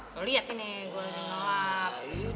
lo liat nih gue udah ngelawan